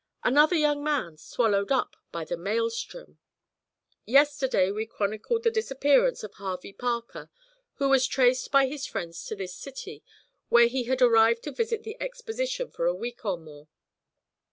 '"Another Young Man swallowed up by the Maelstrom. '"Yesterday we chronicled the disappearance of Harvey Parker who was traced by his friends to this city, where he had arrived to visit the Exposition for a week or more.